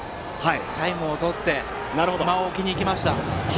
タイムをとって間を置きにいきました。